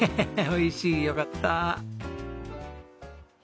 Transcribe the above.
おいしいよかった。